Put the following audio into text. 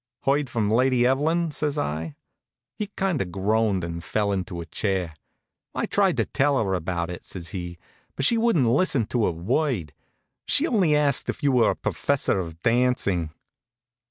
"Heard from Lady Evelyn?" says I. He kind of groaned and fell into a chair. "I tried to tell her about it," says he; "but she wouldn't listen to a word. She only asked if you were a professor of dancing."